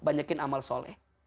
banyakin amal soleh